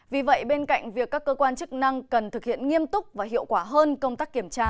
vì vậy bên cạnh việc các cơ quan chức năng cần thực hiện nghiêm túc và hiệu quả hơn công tác kiểm tra